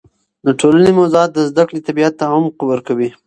د ټولنې موضوعات د زده کړې طبیعت ته عمق ورکوي.